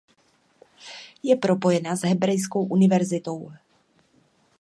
Je propojena s Hebrejskou univerzitou.